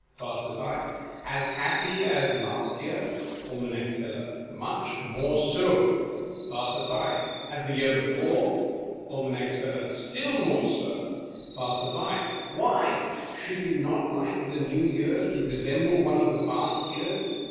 Passer. As happy as last year ? Aim. Seller. Much more so. Passer. As the year before ? Aim. Seller. Still more, Sir. Passer. Why ? Should you not like the New Year to resemble one of the past years